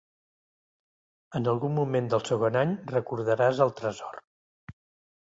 En algun moment del segon any, recordaràs el tresor.